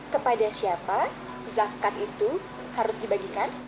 kepada siapa zakat itu harus dibagikan